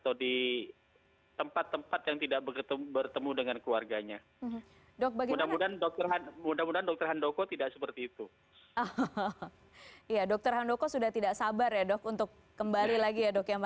untuk kembali bertemu pasien atau belum